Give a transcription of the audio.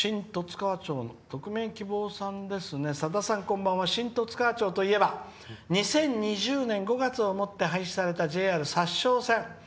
これは新十津川町の匿名希望さん「さださん、こんばんは新十津川町といえば２０２０年５月をもって廃線になったＪＲ札沼線。